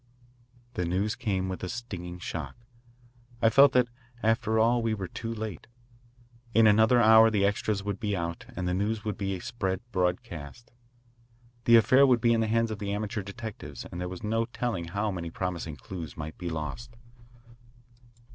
The news came with a stinging shock. I felt that, after all, we were too late. In another hour the extras would be out, and the news would be spread broadcast. The affair would be in the hands of the amateur detectives, and there was no telling how many promising clues might be lost.